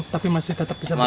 tapi masih tetap bisa melakukan